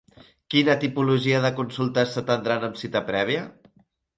Quina tipologia de consultes s'atednran amb cita prèvia?